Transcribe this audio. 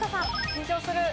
緊張する。